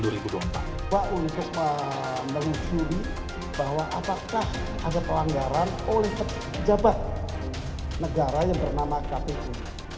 pak untuk menelusuri bahwa apakah ada pelanggaran oleh pejabat negara yang bernama kpu